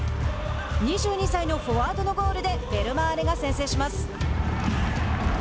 ２２歳のフォワードのゴールでベルマーレが先制します。